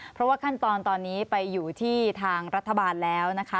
เพราะว่าขั้นตอนตอนนี้ไปอยู่ที่ทางรัฐบาลแล้วนะคะ